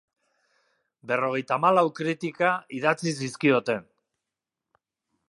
Berrogeita hamalau kritika idatzi zizkioten.